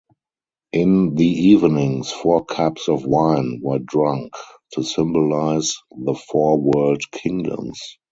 In the evenings four cups of wine were drunk, to symbolize the four world-kingdoms.